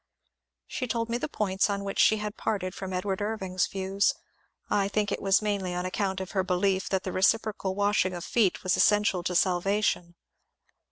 She told me the points on which she had parted from Edward Irving's views — I think it was mainly on account of her belief that the reciprocal washing of feet was essential to salvation.